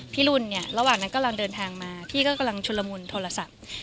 รุ่นเนี่ยระหว่างนั้นกำลังเดินทางมาพี่ก็กำลังชุดละมุนโทรศัพท์